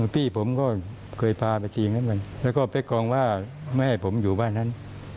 พี่ผมก็เคยพาไปจริงแล้วก็แป๊กกงว่าไม่ให้ผมอยู่บ้านนั้น